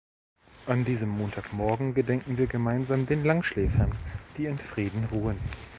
An diesem Montagmorgen gedenken wir gemeinsam den Langschläfern, die in Frieden ruhen!